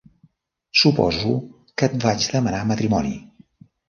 Suposo que et vaig demanar matrimoni.